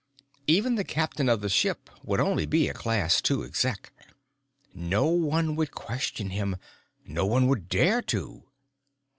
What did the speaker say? _ Even the captain of the ship would only be a Class Two Exec. No one would question him no one would dare to.